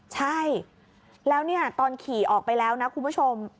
ใช่แล้วเนี่ยตอนขี่ออกไปแล้วนะคุณผู้ชม